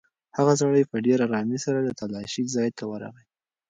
هغه سړی په ډېرې ارامۍ سره د تالاشۍ ځای ته ورغی.